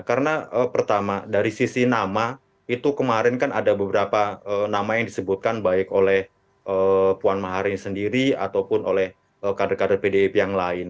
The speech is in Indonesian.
karena pertama dari sisi nama itu kemarin kan ada beberapa nama yang disebutkan baik oleh puan maharani sendiri ataupun oleh kader kader pdip yang lain